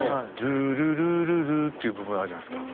「ルルルルル」っていう部分あるじゃないですか。